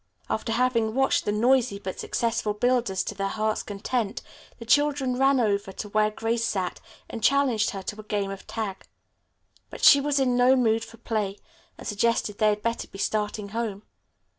After having watched the noisy, but successful, builders to their hearts' content, the children ran over to where Grace sat and challenged her to a game of tag. But she was in no mood for play, and suggested they had better be starting home.